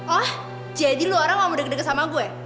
oh jadi lo orang yang mau deg deg sama gue